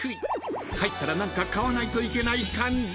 ［入ったら何か買わないといけない感じ］